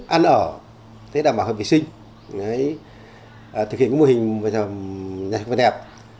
ăn ở thế là mở hộp vệ sinh thực hiện cái mô hình vật đẹp